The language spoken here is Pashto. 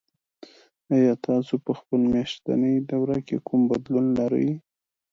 ایا تاسو په خپل میاشتني دوره کې کوم بدلون لرئ؟